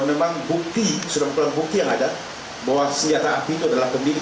penyidik sudah mengumpulkan bukti bahwa senjata api itu adalah